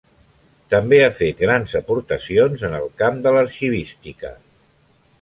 També ha fet grans aportacions en el camp de l'arxivística.